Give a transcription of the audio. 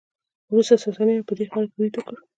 وروسته ساسانیانو په دې خاوره برید وکړ